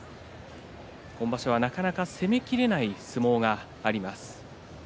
今場所は、なかなか攻めきれない相撲があります。